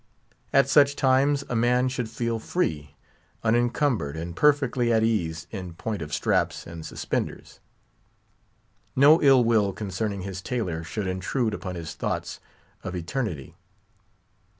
At such times, a man should feel free, unencumbered, and perfectly at his ease in point of straps and suspenders. No ill will concerning his tailor should intrude upon his thoughts of eternity.